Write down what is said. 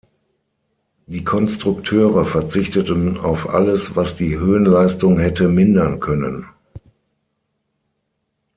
Die Konstrukteure verzichteten auf alles, was die Höhenleistung hätte mindern können.